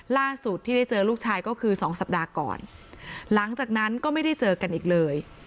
ล่าสุดที่ได้เจอลูกชายก็คือสองสัปดาห์ก่อนหลังจากนั้นก็ไม่ได้เจอกันอีกเลย